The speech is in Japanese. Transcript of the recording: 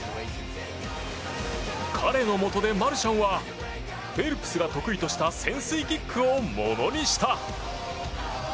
彼のもとで、マルシャンはフェルプスが得意とした潜水キックをものにした。